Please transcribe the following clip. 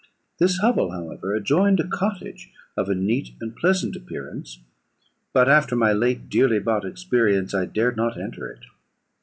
This hovel, however, joined a cottage of a neat and pleasant appearance; but, after my late dearly bought experience, I dared not enter it.